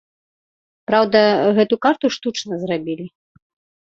Праўда, гэту карту штучна зрабілі.